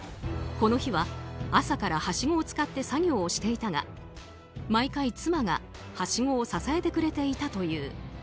この日は、朝からはしごを使って作業をしていたが毎回、妻がはしごを支えてくれていたという。